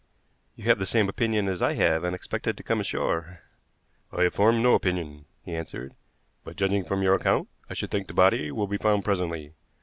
"You have the same opinion as I have, and expect it to come ashore." "I have formed no opinion," he answered, "but, judging from your account, I should think the body will be found presently.